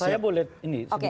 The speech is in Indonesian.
saya boleh ini sedikit